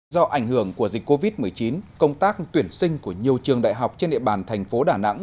do ảnh hưởng của dịch covid một mươi chín công tác tuyển sinh của nhiều trường đại học trên địa bàn thành phố đà nẵng